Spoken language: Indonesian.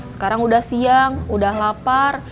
sekarang udah siang udah lapar